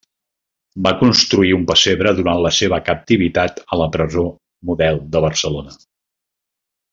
Va construir un pessebre durant la seva captivitat a la presó Model de Barcelona.